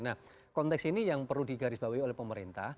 nah konteks ini yang perlu digarisbawahi oleh pemerintah